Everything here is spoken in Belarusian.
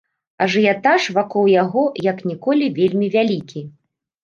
Ажыятаж вакол яго як ніколі вельмі вялікі.